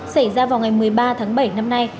xảy ra vào ngày một mươi ba tháng bảy năm nay